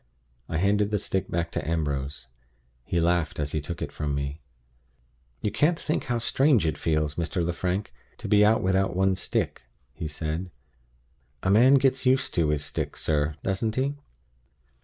I handed the stick back to Ambrose. He laughed as he took it from me. "You can't think how strange it feels, Mr. Lefrank, to be out without one's stick," he said. "A man gets used to his stick, sir; doesn't he?